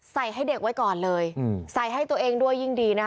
ให้เด็กไว้ก่อนเลยใส่ให้ตัวเองด้วยยิ่งดีนะ